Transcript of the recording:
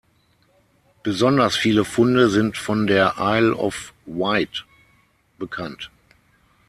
Besonders viele Funde sind von der Isle of Wight bekannt.